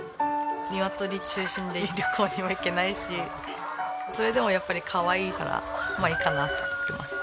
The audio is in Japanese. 鶏中心で旅行にも行けないしそれでもやっぱりかわいいからまあいいかなと思ってます。